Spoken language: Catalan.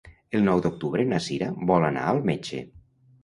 El nou d'octubre na Sira vol anar al metge.